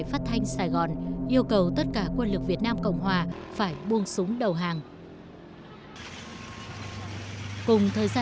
khi những người mỹ cuối cùng rời khỏi việt nam cảm giác thật là khó tả